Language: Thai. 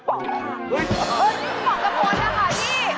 ปองก็พอแล้วค่ะพี่